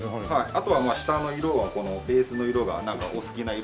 あとは下の色はベースの色がなんかお好きな色があれば。